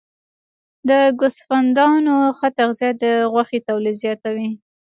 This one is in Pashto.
د ګوسفندانو ښه تغذیه د غوښې تولید زیاتوي.